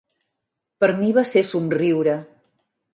Per mi va ser somriure.